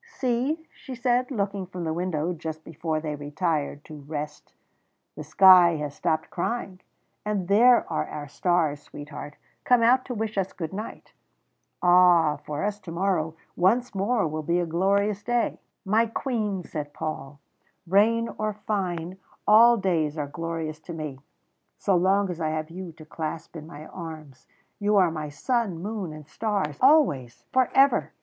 "See," she said, looking from the window just before they retired to rest, "the sky has stopped crying, and there are our stars, sweetheart, come out to wish us good night. Ah! for us tomorrow once more will be a glorious day." "My Queen," said Paul; "rain or fine, all days are glorious to me, so long as I have you to clasp in my arms. You are my sun, moon and stars always, for ever."